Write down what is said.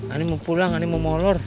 ani mau pulang ini mau molor